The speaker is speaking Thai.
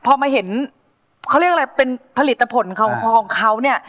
พอมาเห็นเขาเรียกอะไรเป็นผลิตผลของเขาเนี่ย